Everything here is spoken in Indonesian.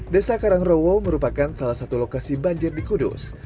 desa karangrowo merupakan salah satu lokasi banjir di kudus